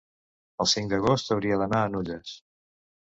el cinc d'agost hauria d'anar a Nulles.